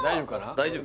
大丈夫？